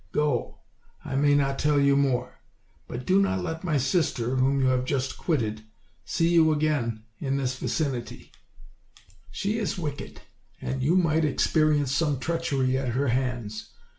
Go, I may not tell you more, but do not let my sister, whom you have just quitted, see you again in this vicinity; she is wicked, and you might ex perience some treachery at her hands.